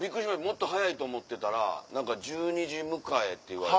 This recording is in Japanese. もっと早いと思ってたら１２時迎えって言われて。